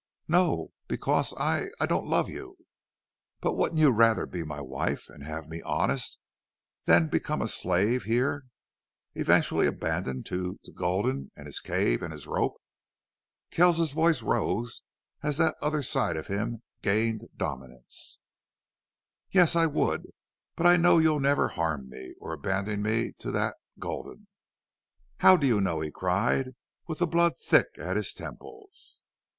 "No. Because I I don't love you." "But wouldn't you rather be my wife and have me honest than become a slave here, eventually abandoned to to Gulden and his cave and his rope?" Kells's voice rose as that other side of him gained dominance. "Yes, I would.... But I KNOW you'll never harm me or abandon me to to that Gulden." "HOW do you know?" he cried, with the blood thick at his temples.